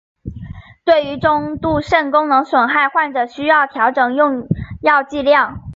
对于中度肾功能损害患者需要调整用药剂量。